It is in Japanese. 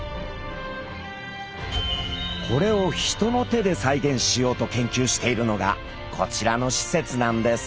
これを人の手で再現しようと研究しているのがこちらのしせつなんです。